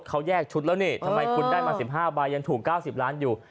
เขาแยกชุดแล้วนี่ทำไมคุณได้มา๑๕ใบยังถูก๙๐ล้านอยู่